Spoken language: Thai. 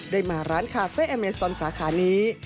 ได้มาร้านคาเฟ่อเมซอนสาขานี้